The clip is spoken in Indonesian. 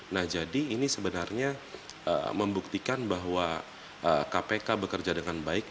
nah jadi ini sebenarnya membuktikan bahwa kpk bekerja dengan baik